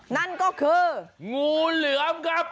นั่นก็คืองูเหลือมครับ